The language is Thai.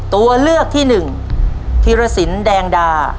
ตัวเลือกที่หนึ่งธีรสินแดงดา